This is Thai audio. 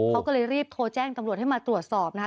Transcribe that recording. เขาก็เลยรีบโทรแจ้งตำรวจให้มาตรวจสอบนะคะ